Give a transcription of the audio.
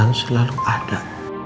akan selalu ada